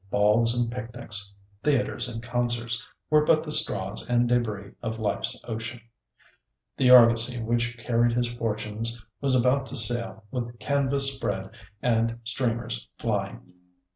Balls and picnics, theatres and concerts, were but the straws and débris of life's ocean. The argosy which carried his fortunes was about to sail with canvas spread and streamers flying.